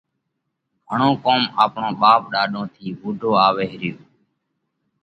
گھڻو ڪوم آپڻون ٻاپ ڏاڏون ٿِي ووڍو آوئه ريو۔